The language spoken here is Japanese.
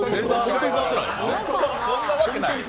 そんなわけない。